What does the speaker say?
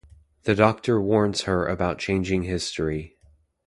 The Doctor warns her about changing history.